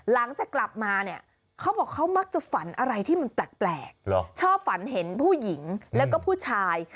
หลังจากกลับมาเนี่ยเขาบอกเขามักจะฝันอะไรที่มันแปลกชอบฝันเห็นผู้หญิงแล้วก็ผู้ชาย